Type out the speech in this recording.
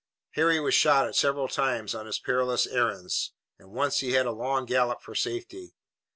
Harry was shot at several times on his perilous errands, and once he had a long gallop for safety.